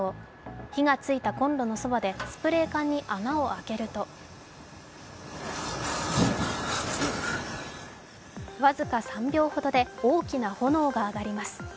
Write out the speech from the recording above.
火がついたこんろのそばでスプレー缶に穴を開けると僅か３秒ほどで大きな炎が上がります。